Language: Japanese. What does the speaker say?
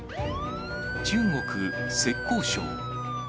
中国・浙江省。